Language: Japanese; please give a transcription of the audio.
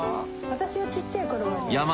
私はちっちゃい頃はね。